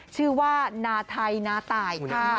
ชื่อว่านาไทยนาตายค่ะ